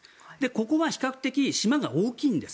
ここは比較的島が大きいんです。